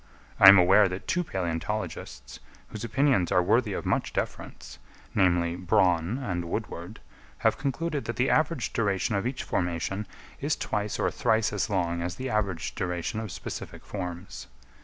I am aware that two palæontologists, whose opinions are worthy of much deference, namely Bronn and Woodward, have concluded that the average duration of each formation is twice or thrice as long as the average duration of specific forms.